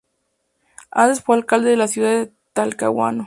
Antes fue alcalde de la ciudad de Talcahuano.